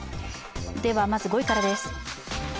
では、まず５位からです。